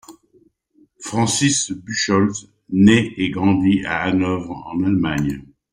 Francis Buchholz naît et grandit à Hanovre en Allemagne.